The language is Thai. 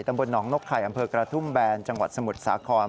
ตำบลหนองนกไข่อำเภอกระทุ่มแบนจังหวัดสมุทรสาคร